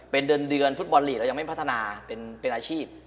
เป็นเดือนฟุตบอลลีกเรายังไม่พัฒนาเป็นอาชีพ